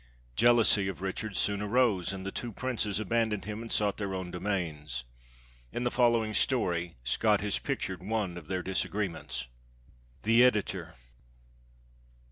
Jealousy of Richard soon arose, and the two princes abandoned him and sought their own domains. In the following story, Scott has pictured one of their disagreements. The Editor.